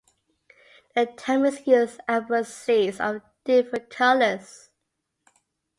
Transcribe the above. The Tamils use "Abrus" seeds of different colors.